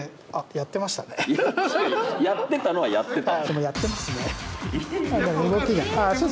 やってたのはやってた。